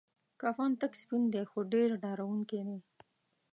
کفن تک سپین دی خو ډیر ډارونکی دی.